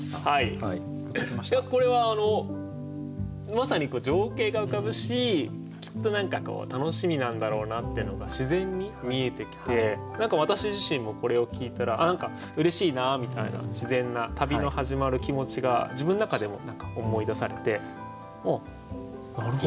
いやこれはまさに情景が浮かぶしきっと何か楽しみなんだろうなってのが自然に見えてきて何か私自身もこれを聞いたら「あっ何かうれしいな」みたいな自然な旅の始まる気持ちが自分の中でも思い出されてあっなるほど。